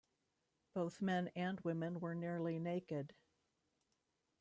Both men and women were nearly naked.